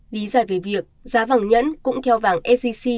lý giải về việc giá vàng nhẫn cũng theo vàng sgc